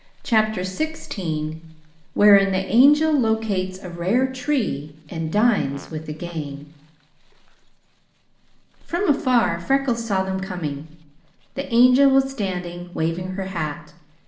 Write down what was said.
CHAPTER XVI Wherein the Angel Locates a Rare Tree and Dines with the Gang From afar Freckles saw them coming. The Angel was standing, waving her hat.